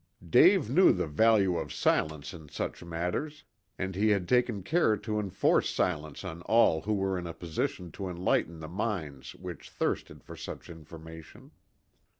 Dave knew the value of silence in such matters, and he had taken care to enforce silence on all who were in a position to enlighten the minds which thirsted for such information.